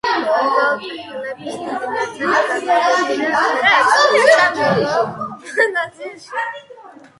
უღელტეხილების დიდი ნაწილი განლაგებულია ქედის ჩრდილო ნაწილში.